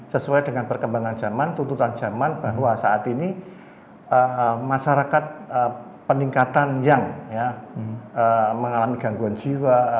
sesuai dengan perkembangan jaman tuntutan jaman bahwa saat ini masyarakat peningkatan yang mengalami gangguan jiwa